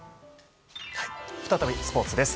再びスポーツです。